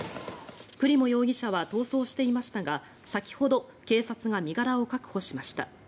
クリモ容疑者は逃走していましたが先ほど警察が身柄を確保しました。